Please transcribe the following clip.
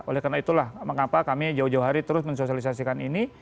oleh karena itulah mengapa kami jauh jauh hari terus mensosialisasikan ini